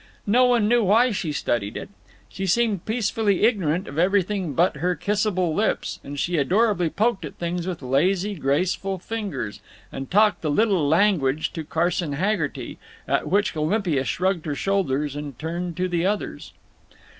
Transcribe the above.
No one knew why she studied it. She seemed peacefully ignorant of everything but her kissable lips, and she adorably poked at things with lazy graceful fingers, and talked the Little Language to Carson Haggerty, at which Olympia shrugged her shoulders and turned to the others.